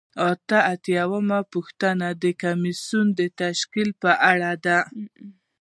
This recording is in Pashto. اته اتیا یمه پوښتنه د کمیسیون د تشکیل په اړه ده.